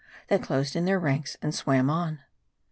They closed in their ranks and swam on.